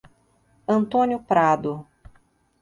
Antônio Prado